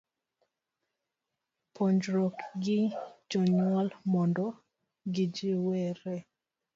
C. Pogruok gi jonyuol mondo gijiwre